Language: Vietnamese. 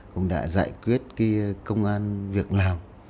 cũng đã giải quyết công an việc làm